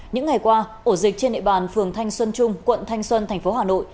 những ngày qua ổ dịch trên địa bàn phường thanh xuân trung quận thanh xuân tp hà nội